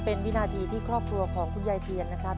เป็นวินาทีที่ครอบครัวของคุณยายเทียนนะครับ